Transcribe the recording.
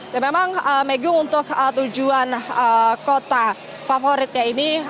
dan memang maggie untuk tujuan kota favoritnya ini